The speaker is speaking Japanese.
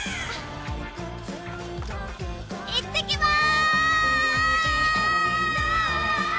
いってきます！